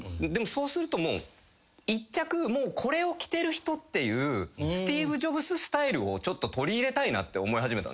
そうするともう１着これを着てる人っていうスティーブ・ジョブズスタイルを取り入れたいなって思い始めた。